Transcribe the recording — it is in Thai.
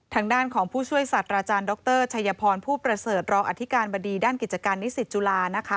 ทางด้านของผู้ช่วยสัตว์อาจารย์ดรชัยพรผู้ประเสริฐรองอธิการบดีด้านกิจการนิสิตจุฬานะคะ